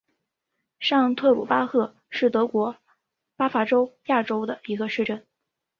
上特鲁巴赫是德国巴伐利亚州的一个市镇。